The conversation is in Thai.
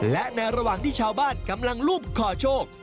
และในระหว่างที่ชาวบ้านกำลังรูปขอโชค